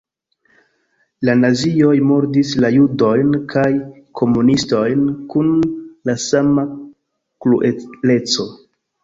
La nazioj murdis la judojn kaj komunistojn kun la sama krueleco.